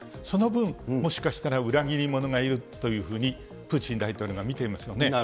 その分、もしかしたら裏切り者がいるというふうにプーチン大統領が見ていますよね。